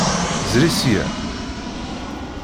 Zri seg-a.